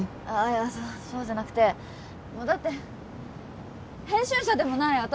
ああそうじゃなくてだって編集者でもない